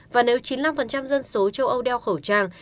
và nếu chín mươi năm dân số châu âu đeo khẩu trang